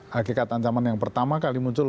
hakikat ancaman yang pertama kali muncul